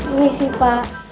ini sih pak